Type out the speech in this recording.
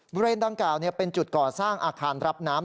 บริเวณดังกล่าวเป็นจุดก่อสร้างอาคารรับน้ำ